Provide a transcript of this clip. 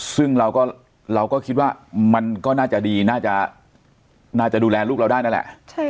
ซึ่งเราก็คิดว่ามันก็น่าจะดีน่าจะน่าจะดูแลลูกเราได้นั่นแหละ